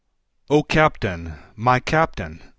O CAPTAIN! my Captain!